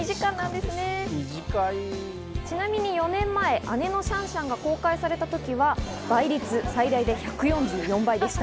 ちなみに４年前、姉のシャンシャンが公開された時は倍率、最大で１４４倍でした。